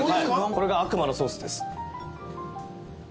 これが悪魔のソースです